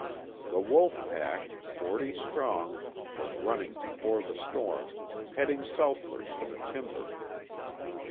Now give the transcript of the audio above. The wolf pack, forty strong, was running before the storm, heading southward for the timber.